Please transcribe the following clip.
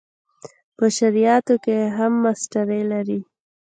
په شرعیاتو کې هم ماسټري لري.